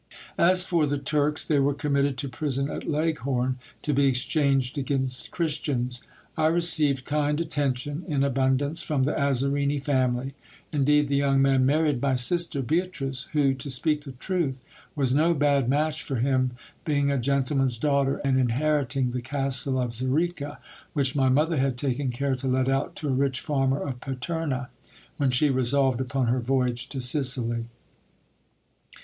As for the Turks, they were committed to prison at Leghorn, to be exchanged against Christians. I received kind attention in abundance from the Azarini family : indeed, the young man married my sister Beatrice, who, to speak the truth, was no bad match for him, being a gentleman's daughter, and inheriting the castle of Xerica, which my mother had taken care to let out to a rich farmer of Paterna, when she resolved upon her voyage to Sicily.